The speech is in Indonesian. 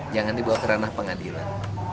jangan dibawa ke ranah pengadilan